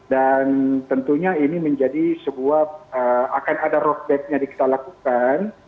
dan tentunya ini menjadi sebuah akan ada rockback yang dikita lakukan